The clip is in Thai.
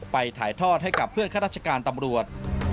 ถ่ายทอดให้กับเพื่อนข้าราชการตำรวจ